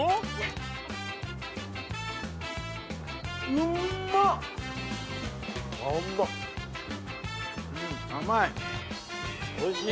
うん甘い。